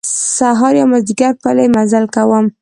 سهار یا مازیګر پلی مزل کوم.